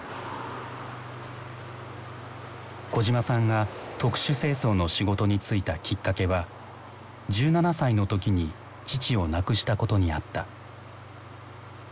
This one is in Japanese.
小島さんが特殊清掃の仕事に就いたきっかけは１７歳の時に父を亡くしたことにあった。